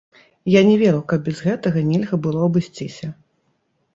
Я не веру, каб без гэтага нельга было абысціся.